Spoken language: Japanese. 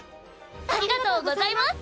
ありがとうございます。